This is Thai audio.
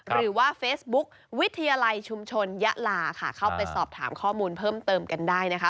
หรือว่าเฟซบุ๊กวิทยาลัยชุมชนยะลาค่ะเข้าไปสอบถามข้อมูลเพิ่มเติมกันได้นะคะ